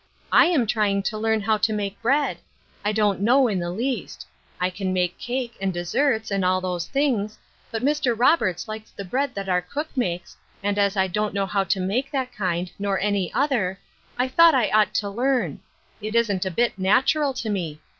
I Am trying to learn how to make bread. I don't know in the least. I can make cake, and desserts, and all those things, but Mr. Roberts likes the bread that our cook makes, and as I don't know how to make that kind, nor any other, I thought I ought to learn. It isn't a bit natural to me.